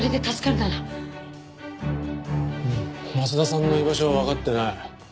松田さんの居場所はわかってない。